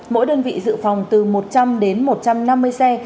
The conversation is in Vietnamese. mỗi đơn vị dự phòng từ một trăm linh đến một trăm năm mươi xe